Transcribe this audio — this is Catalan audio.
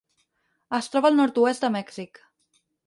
Es troba al nord-oest de Mèxic: